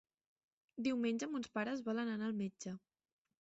Diumenge mons pares volen anar al metge.